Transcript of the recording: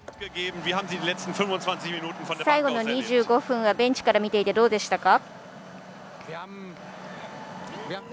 最後の２５分はベンチから見ていてどうでしたか。